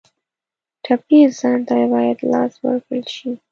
ټپي انسان ته باید لاس ورکړل شي.